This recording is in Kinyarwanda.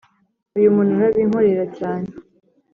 uyu umuntu arabinkorera cyane